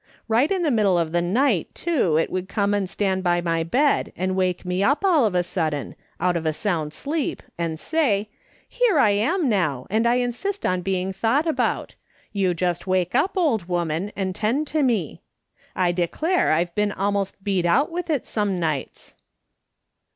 Eight in the middle of the night, too, it would come and stand by my bed, and wake me up all of a sudden, out of a sound sleep, and say, ' Here I am now, and I insist on being thought about ; you just wake up, old woman, and tend to me.' I declare, I've been almost beat out with it some nights."